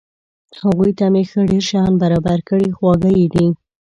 هغوی ته مې ښه ډېر شیان برابر کړي، خواږه یې دي.